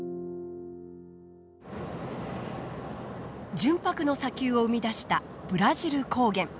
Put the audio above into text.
純白の砂丘を生み出したブラジル高原。